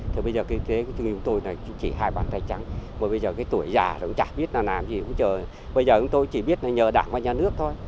thì bây giờ kinh tế của chúng tôi chỉ hai bàn tay trắng bây giờ cái tuổi già cũng chả biết làm gì bây giờ chúng tôi chỉ biết nhờ đảng và nhà nước thôi